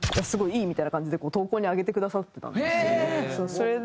「すごいいい」みたいな感じで投稿に上げてくださってたんですよ。